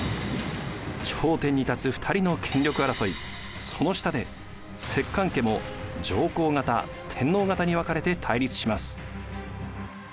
頂点に立つ２人の権力争いその下で摂関家も上皇方天皇方に分かれて対立します。